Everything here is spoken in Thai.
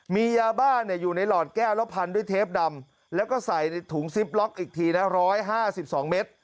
มียาบ้าอยู่ในหลอดแก้วแล้วพันด้วยเทปดำแล้วก็ใส่ในถุงซิปล็อกอีกทีนะ๑๕๒เมตร